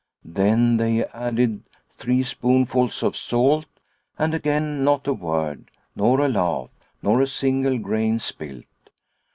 Then they added three spoonfuls of salt, and again not a word, nor a laugh, nor a single grain spilt.